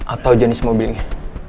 atau jenis mobilnya